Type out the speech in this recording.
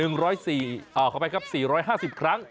๑๐๔ขอบความคิดครับ๔๕๐ครั้ง